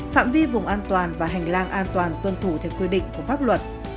phạm vi vùng an toàn và hành lang an toàn tuân thủ theo quy định của pháp luật